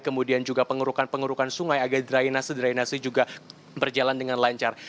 kemudian juga pengurukan pengurukan sungai agar drainase drainasi juga berjalan dengan lancar